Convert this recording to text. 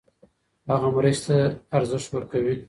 هغه مرستې ته ارزښت ورکوي.